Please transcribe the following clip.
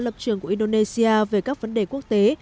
lập trường của indonesia về các vấn đề quốc tế